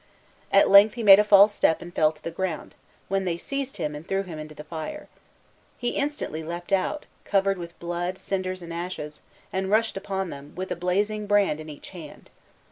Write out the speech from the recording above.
At length he made a false step and fell to the ground, when they seized him and threw him into the fire. He instantly leaped out, covered with blood, cinders, and ashes, and rushed upon them, with a blazing brand in each hand.